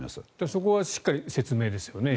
そこはしっかり説明ですよね。